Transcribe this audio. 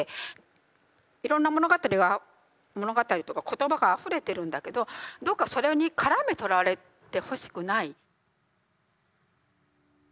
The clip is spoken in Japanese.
いろんな物語が物語とか言葉があふれてるんだけどどうかそれにからめとられてほしくない。